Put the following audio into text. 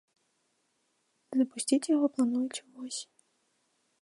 Запусціць яго плануюць увосень.